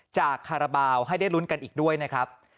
คาราบาลให้ได้ลุ้นกันอีกด้วยนะครับ